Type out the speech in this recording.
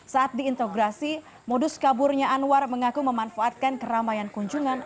saat diintegrasi modus kaburnya anwar mengaku memanfaatkan keramaian kunjungan